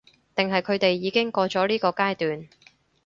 定係佢哋已經過咗呢個階段？